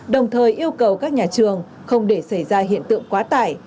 đồng thời yêu cầu các nhà trường không để xảy ra hiện tượng quá tải